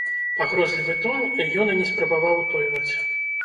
Пагрозлівы тон ён і не спрабаваў утойваць.